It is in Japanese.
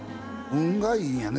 運がいいんやね